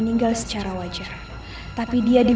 jangan lupa new channel ini deh